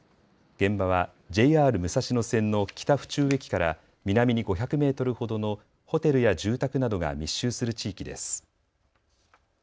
現場はＪＲ武蔵野線の北府中駅から南に５００メートルほどのホテルや住宅などが密集する地域です。